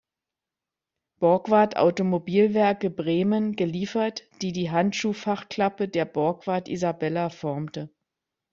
Borgward Automobilwerke Bremen" geliefert, die die Handschuhfach-Klappe der Borgward Isabella formte.